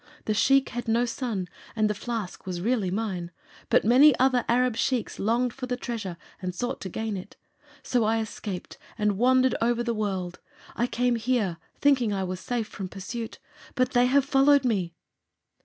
The Shiek had no son, and the flask was really mine. But many other Arab Shieks longed for the treasure and sought to gain it. So I escaped and wandered over the world. I came here, thinking I was safe from pursuit. But they have followed me!"